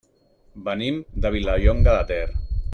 Venim de Vilallonga de Ter.